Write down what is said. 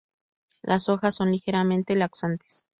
Las hojas son ligeramente laxantes.